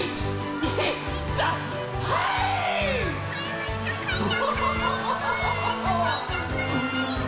わいたかいたかい！